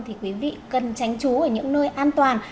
thì quý vị cần tránh trú ở những nơi an toàn